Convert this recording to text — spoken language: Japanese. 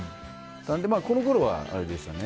このころは、あれでしたね。